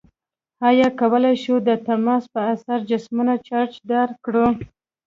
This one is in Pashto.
آیا کولی شو د تماس په اثر جسمونه چارج داره کړو؟